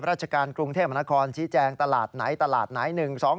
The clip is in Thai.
ราชการกรุงเทพมหานครชี้แจงตลาดไหนตลาดไหน